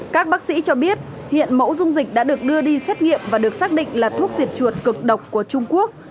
các bác sĩ cho biết hiện mẫu dung dịch đã được đưa đi xét nghiệm và được xác định là thuốc diệt chuột cực độc của trung quốc